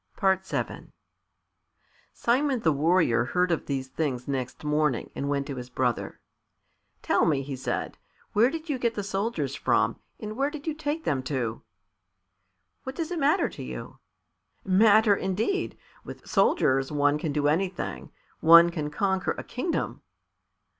VII Simon the Warrior heard of these things next morning, and went to his brother. "Tell me," he said, "where did you get the soldiers from, and where did you take them to?" "What does it matter to you?" "Matter, indeed! With soldiers one can do anything. One can conquer a kingdom."